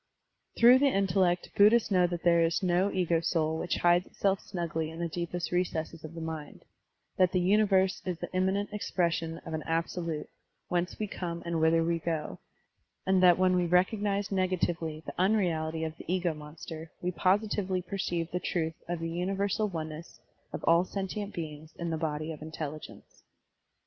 Through the intellect Buddhists know that there is no ego soul which hides itself snugly in the deepest recesses of the mind, that the universe is the immanent expression of an Digitized by Google 52 SERMONS OF A BUDDHIST ABBOT 9,bsolute, whence we come and whither we go, ^nd that when we recognize negatively the unreality of the ego monster we positively per ceive the truth of the universal oneness of all sentient beings in the 5ody of Intelligence.